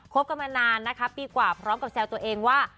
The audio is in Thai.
บกันมานานนะคะปีกว่าพร้อมกับแซวตัวเองว่า